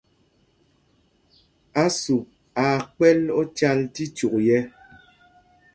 Ásûp aa kpɛ̌l ócāl tí cyûk yɛ̄.